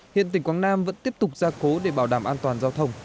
hiện tỉnh quảng nam vẫn tiếp tục ra cố để bảo đảm an toàn giao thông